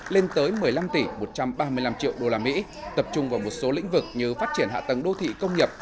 lên tới một mươi năm tỷ một trăm ba mươi năm triệu usd tập trung vào một số lĩnh vực như phát triển hạ tầng đô thị công nghiệp